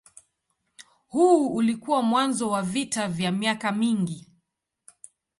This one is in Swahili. Huu ulikuwa mwanzo wa vita vya miaka mingi.